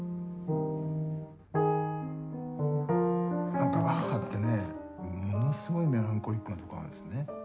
何かバッハってねものすごいメランコリックなところあるんですね。